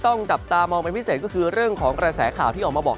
จับตามองเป็นพิเศษก็คือเรื่องของกระแสข่าวที่ออกมาบอก